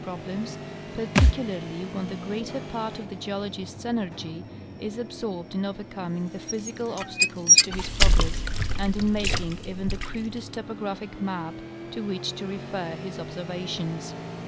problems, particularly when the greater part of the geologist's energy is absorbed in overcoming the physical obstacles to his progress and in making even the crudest topographic map to which to refer his observations.